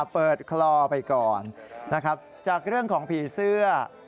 คลอไปก่อนนะครับจากเรื่องของผีเสื้อ